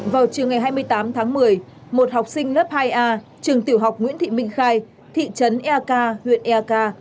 vào trường ngày hai mươi tám tháng một mươi một học sinh lớp hai a trường tiểu học nguyễn thị minh khai thị trấn ea ca huyện ea ca